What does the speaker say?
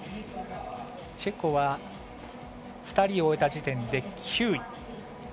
チェコは２人終えた時点で９位。